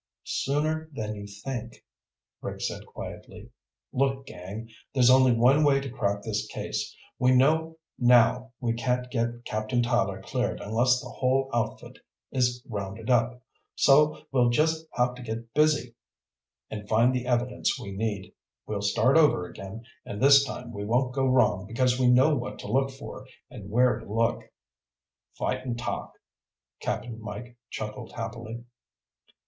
"Sooner than you think," Rick said quietly. "Look, gang. There's only one way to crack this case. We know now we can't get Captain Tyler cleared unless the whole outfit is rounded up. So we'll just have to get busy and find the evidence we need. We'll start over again, and this time we won't go wrong because we know what to look for, and where to look." "Fighting talk," Cap'n Mike chuckled happily.